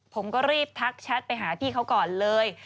ผมก็รีบทักแชทไปหาพี่เขาก่อนเลย